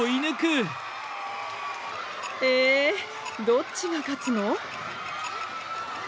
どっちが勝つの？